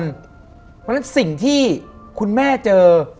เพราะฉะนั้นสิ่งที่คุณแม่เจอ